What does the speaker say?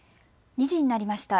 ２時になりました。